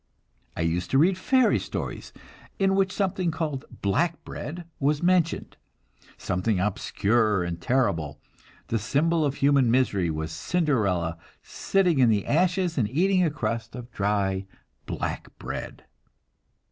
I used to read fairy stories, in which something called "black bread" was mentioned, something obscure and terrible; the symbol of human misery was Cinderella sitting in the ashes and eating a crust of dry "black bread."